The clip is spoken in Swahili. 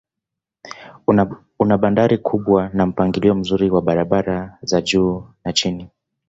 Una bandari kubwa na mpangilio mzuri wa barabara za juu na chini.